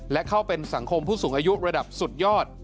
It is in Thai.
และเข้าเป็นสังคมผู้สูงอายุระดับสุดยอด